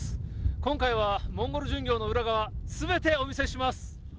今回はモンゴル巡業の裏側、すべてお見せします。